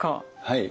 はい。